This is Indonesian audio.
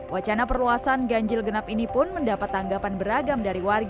wacana perluasan ganjil genap ini pun mendapat tanggapan beragam dari warga